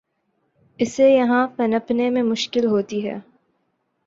اسے یہاں پنپنے میں مشکل ہوتی ہے۔